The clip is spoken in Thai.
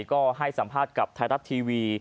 ก็ให้สัมภาษณ์กับไทยรัฐทีวี